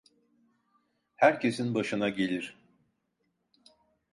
Herkesin başına gelir.